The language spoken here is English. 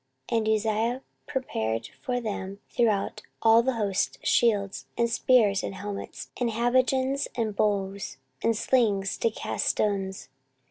14:026:014 And Uzziah prepared for them throughout all the host shields, and spears, and helmets, and habergeons, and bows, and slings to cast stones.